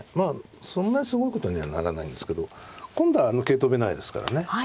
そんなにすごいことにはならないんですけど今度は桂跳べないですからね。